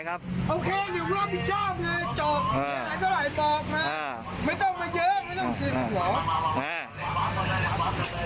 ไม่ต้องเยอะไม่ต้องจินหรอก